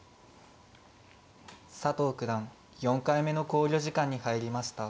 佐藤九段４回目の考慮時間に入りました。